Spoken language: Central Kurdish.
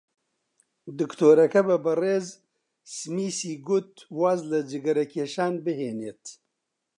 دکتۆرەکە بە بەڕێز سمیسی گوت واز لە جگەرەکێشان بهێنێت.